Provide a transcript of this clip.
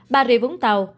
bà rịa vũng tàu